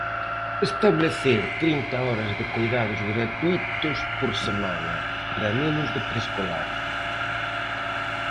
Establecer trinta horas de coidados gratuítos por semana para nenos de preescolar.